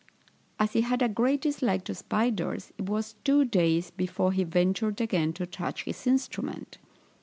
As he had a great dislike to spiders, it was two days before he ventured again to touch his instrument.